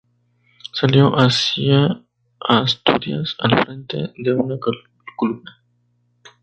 Salió hacia Asturias al frente de una columna.